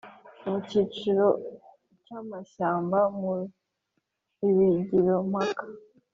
mu cyiciro cyamashyamba mu ibagiro mpaka